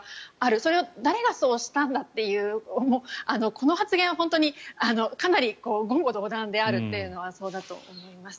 それを誰がそうしたんだというこの発言は本当にかなり言語道断であるというのはそうだと思います。